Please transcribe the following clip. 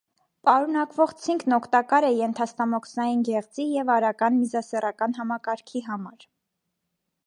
Պարունակվող ցինկն օգտակար է ենթաստամոքսային գեղձի և արական միզասեռական համակարգի համար։